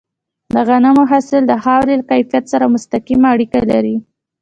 د غنمو حاصل د خاورې له کیفیت سره مستقیمه اړیکه لري.